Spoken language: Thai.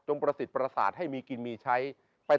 ประสิทธิ์ประสาทให้มีกินมีใช้